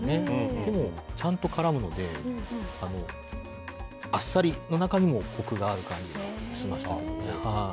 でも、ちゃんとからむので、あっさりの中にもこくがある感じがしましたけどね。